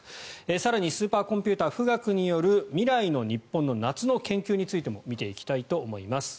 更にスーパーコンピューター富岳による未来の日本の夏の研究についても見ていきたいと思います。